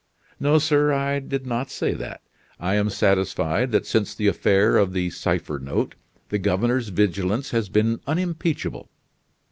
"No, sir, I did not say that. I am satisfied that since the affair of the cipher note the governor's vigilance has been unimpeachable.